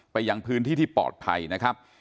ยังพื้นที่ที่ปลอดภัยนะครับ